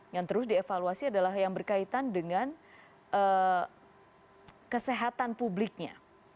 yang terus dievaluasi adalah yang berkaitan dengan kesehatan publiknya